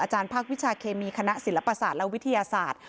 ภาควิชาเคมีคณะศิลปศาสตร์และวิทยาศาสตร์